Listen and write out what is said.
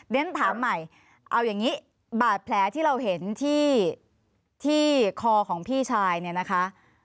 เรียนถามใหม่เอาอย่างนี้บาดแผลที่เราเห็นที่คอของพี่ชายเนี่ยนะคะ